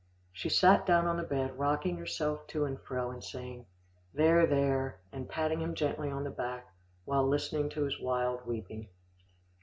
She sat down on the bed, rocking herself to and fro, and saying, "There, there," and patting him gently on the back while listening to his wild weeping.